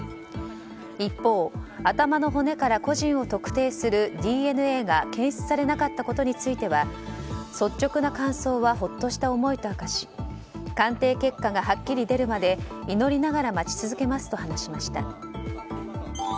一方、頭の骨から個人を特定するＤＮＡが検出されなかったことについては率直な感想はほっとした思いと明かし鑑定結果がはっきり出るまで祈りながら待ち続けますと話しました。